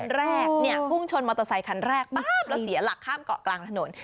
แรกเนี่ยพุ่งชนมอเตอร์ไซคันแรกป๊าบแล้วเสียหลักข้ามเกาะกลางถนน